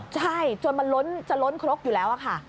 ใช่จนมันล้นจะล้นครกอยู่แล้วค่ะ